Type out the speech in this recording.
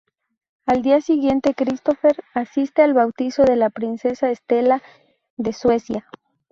Al día siguiente Christopher asiste al bautizo de la princesa Estela de Suecia.